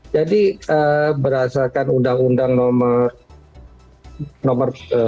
jadi berdasarkan undang undang nomor